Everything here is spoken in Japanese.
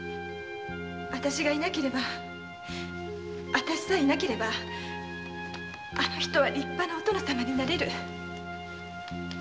私が私さえいなければあの人は立派なお殿様になれる。